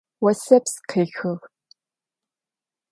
Осэпс къехыгъ.